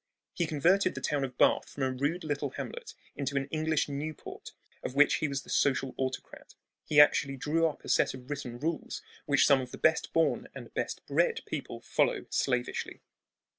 He converted the town of Bath from a rude little hamlet into an English Newport, of which he was the social autocrat. He actually drew up a set of written rules which some of the best born and best bred people follow slavishly.